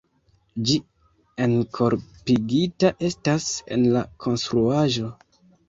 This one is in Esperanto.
Ĝi enkorpigita estas en la konstruaĵo.